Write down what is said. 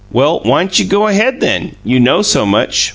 "Well, whyn't you go ahead, then; you know so much!"